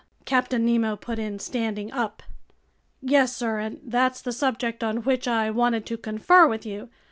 Captain Nemo put in, standing up. "Yes, sir, and that's the subject on which I wanted to confer with you.